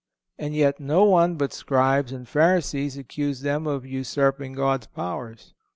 And yet no one but Scribes and Pharisees accused them of usurping God's powers.